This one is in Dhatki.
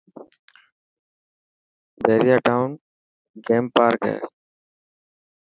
پهريان ٽاون ۾ گيم پارڪ هي.